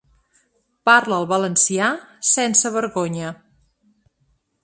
Parlar el valencià, sense vergonya.